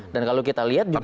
dan kalau kita lihat juga